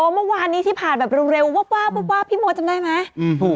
เมื่อวานนี้ที่ผ่านแบบเร็ววาบพี่มดจำได้ไหม